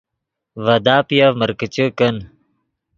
ڤے داپیف مرکیچے کن